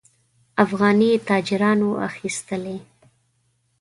افغاني تاجرانو اخیستلې.